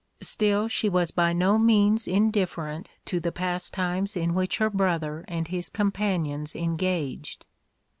Still she was by no means indifferent to the pastimes in which her brother and his companions engaged.